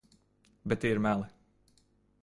Bet tie ir meli.